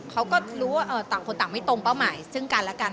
เขาก็รู้ว่าต่างคนต่างไม่ตรงเป้าหมายซึ่งกันและกัน